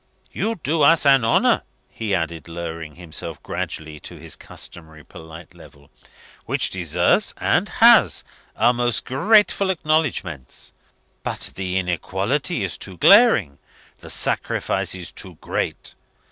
You do us an honour," he added, lowering himself again gradually to his customary polite level, "which deserves, and has, our most grateful acknowledgments. But the inequality is too glaring; the sacrifice is too great.